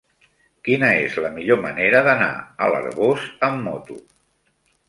Quina és la millor manera d'anar a l'Arboç amb moto?